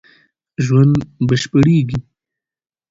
ژوند بشپړېږي